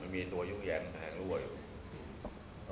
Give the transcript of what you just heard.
มีตัวยวกแยงทางกระโลกเลย